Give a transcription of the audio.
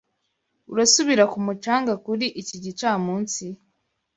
Urasubira ku mucanga kuri iki gicamunsi?